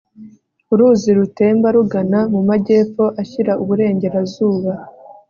uruzi rutemba rugana mu majyepfo ashyira uburengerazuba